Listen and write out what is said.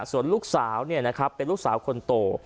ส่วนลูกสาวเนี่ยนะครับเป็นลูกสาวคนโต